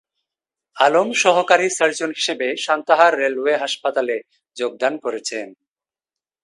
আলম সহকারী সার্জন হিসাবে সান্তাহার রেলওয়ে হাসপাতালে যোগদান করেছেন।